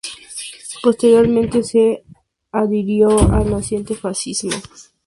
Posteriormente se adhirió al naciente fascismo.